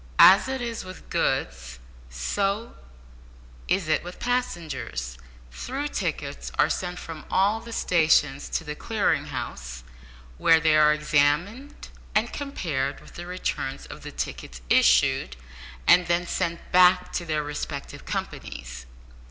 As it is with goods, so is it with passengers. Through tickets are sent from all the stations to the Clearing House, where they are examined and compared with the returns of the tickets issued, and then sent back to their respective companies.